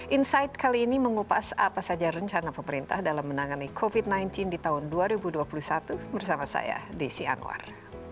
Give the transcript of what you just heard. insight kali ini mengupas apa saja rencana pemerintah dalam menangani covid sembilan belas di tahun dua ribu dua puluh satu bersama saya desi anwar